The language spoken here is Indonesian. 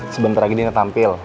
sebentar lagi di ne tampil